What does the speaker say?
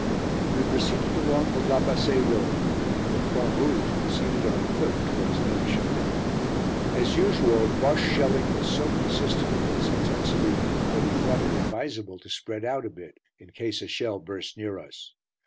We proceeded along the La Bassée Road, and at the Croix Rouge proceeded on foot towards Neuve Chapelle. As usual, Bosche shelling was so consistent in its intensity that we thought it advisable to spread out a bit in case a shell burst near us.